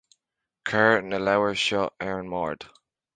Cuir na leabhair seo ar an mbord